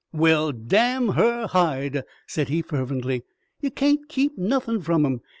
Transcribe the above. "Well, damn her hide!" said he fervently. "Ye kain't keep nothin' from 'em!